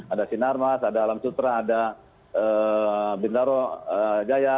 ada sinarmas ada alam sutra ada bintaro jaya